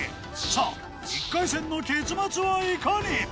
さあ１回戦の結末はいかに？